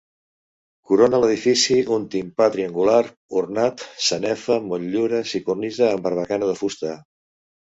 Corona l'edifici un timpà triangular ornat, sanefa, motllures i cornisa amb barbacana de fusta.